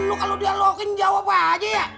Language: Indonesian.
lu kalau dialogin jawab aja ya